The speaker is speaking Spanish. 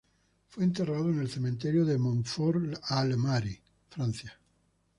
Fue enterrado en el Cementerio de Montfort-l'Amaury, Francia.